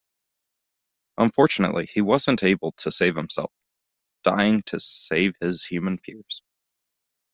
Unfortunately, he wasn't able to save himself, dying to save his human peers.